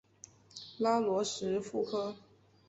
拉罗什富科。